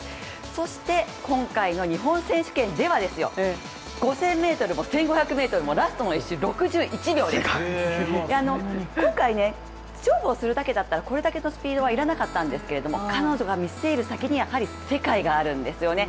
そして今回の日本選手権では５０００ｍも１５００ｍもラストの１周６１秒です、今回勝負をするだけだったらこれだけのスピードはいらなかったんですけども彼女が見据える先にはやはり世界があるんですよね。